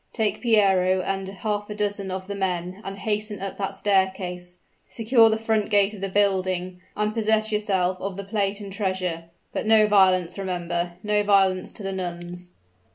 Take Piero and half a dozen of the men, and hasten up that staircase. Secure the front gate of the building, and possess yourself of the plate and treasure. But no violence, remember no violence to the nuns."